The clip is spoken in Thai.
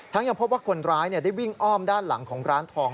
ยังพบว่าคนร้ายได้วิ่งอ้อมด้านหลังของร้านทอง